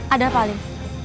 ada apa alim